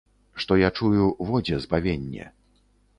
Што я чую, во дзе збавенне.